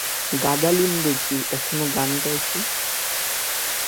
গাধা লীম দেখি এখনো গান গাইছে।